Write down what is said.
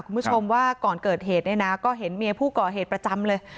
คุณผู้ชมว่าก่อนเกิดเหตุเนี่ยนะก็เห็นเมียผู้ก่อเหตุประจำเลย